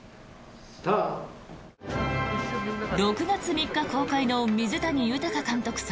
６月３日公開の水谷豊監督